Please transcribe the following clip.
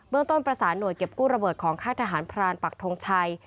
ต้นประสานหน่วยเก็บกู้ระเบิดของค่ายทหารพรานปักทงชัย